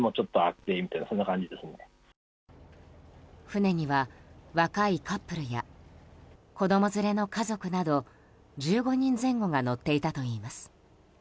船には、若いカップルや子供連れの家族など１５人前後が乗っていたといいます。